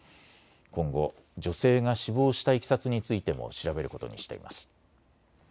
今後、女性が死亡したいきさつについても調べることにしています。